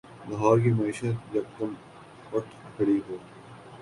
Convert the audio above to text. لاہور کی معیشت یکدم اٹھ کھڑی ہو۔